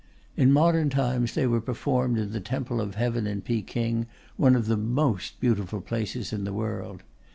In modern times they were performed in the Temple of Heaven in Peking, one of the most beautiful places in the world.